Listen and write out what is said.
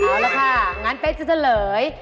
เอาละค่ะงั้นเป๊กจะเฉลย